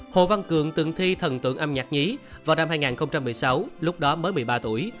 hồ văn cường từng thi thần tượng âm nhạc nhí vào năm hai nghìn một mươi sáu lúc đó mới một mươi ba tuổi